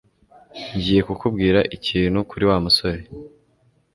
Ngiye kukubwira ikintu kuri Wa musore